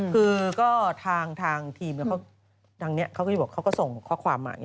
คือก็ทางทีมเขาก็ส่งข้อความมา